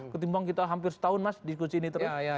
ketimbang kita hampir setahun mas diskusi ini terus